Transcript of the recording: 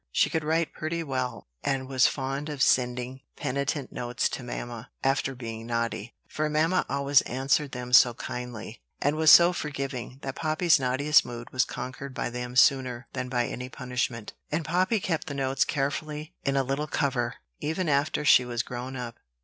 She could write pretty well, and was fond of sending penitent notes to mamma, after being naughty: for mamma always answered them so kindly, and was so forgiving, that Poppy's naughtiest mood was conquered by them sooner than by any punishment; and Poppy kept the notes carefully in a little cover, even after she was grown up.